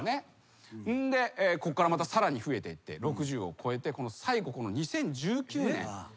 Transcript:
んでこっからまたさらに増えていって６０を超えて最後この２０１９年。